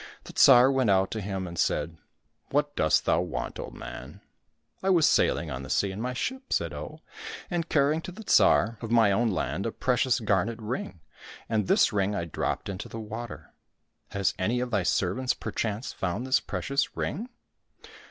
The Tsar went out to him and said, '' What dost thou want, old man ?"—*' I was sailing on the sea in my ship," said Oh, '' and carrying to the Tsar of my own land a precious garnet ring, and this ring I dropped into the water. Has any of thy servants perchance found this precious ring